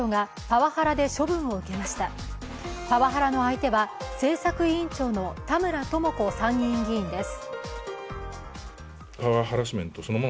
パワハラの相手は政策委員長の田村智子参議院議員です。